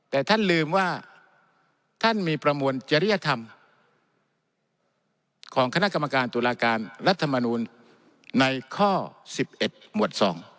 แต่ท่านลืมว่าท่านมีประมวลจริยธรรมของคณะกรรมการตุลาการรัฐมนูลในข้อ๑๑หมวด๒